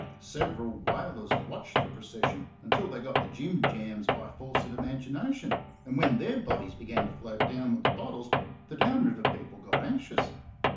Several whalers watched the procession until they got the jimjams by force of imagination, and when their bodies began to float down with the bottles, the down river people got anxious.